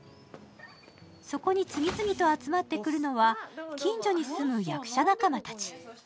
そこに次々と集まってくるのは、近所に住む役者仲間たち。